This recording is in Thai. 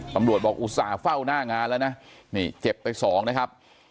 ตำรวจบอกอุตส่าห์เฝ้าหน้างานแล้วนะนี่เจ็บไปสองนะครับ